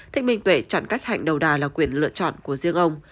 thích minh tuệ chọn cách hạnh đầu đà là quyền lựa chọn của riêng ông